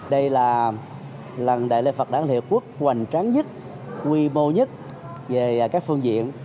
đây là lần đại lễ phật đáng liệt quốc hoành tráng nhất quy mô nhất về các phương diện